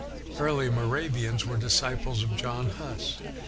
The early Mo ravians were disciples of John Hus.